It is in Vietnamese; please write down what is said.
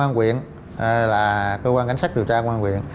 là công an huyện là cơ quan cảnh sát điều tra công an huyện